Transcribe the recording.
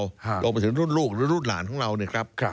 ลงไปถึงรุ่นลูกหรือรุ่นหลานของเรา